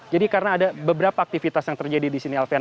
jadi karena ada beberapa aktivitas yang terjadi di sini alvian